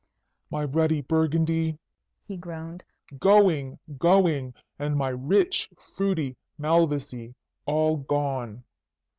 "My ruddy Burgundy!" he groaned, "going, going! and my rich, fruity Malvoisie, all gone!